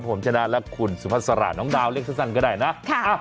ผมชนะและคุณสุภาษาน้องดาวเรียกสั้นก็ได้นะ